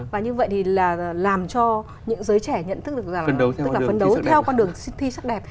và như vậy thì là làm cho những giới trẻ nhận thức được rằng tức là phấn đấu theo con đường thi sắc đẹp